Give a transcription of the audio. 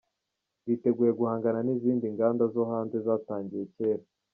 Biteguye guhangana n’izindi nganda zo hanze zatangiye kera.